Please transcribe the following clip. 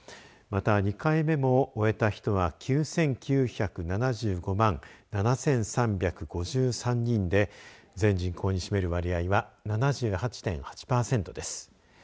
また、２回目も終えた人は９９７５万７３５３人で全人口に占める割合は７８．８パーセントです。